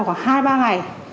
là khoảng hai ba ngày